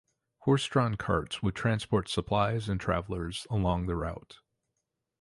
Horse-drawn carts would transport supplies and travellers along the route.